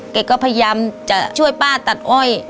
แกก็พยายามจะช่วยป้าตัดอ้อย